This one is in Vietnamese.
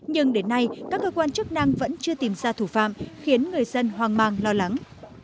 nhưng đến nay các cơ quan chức năng vẫn chưa tìm ra thủ phạm khiến người dân hoang mang lo lắng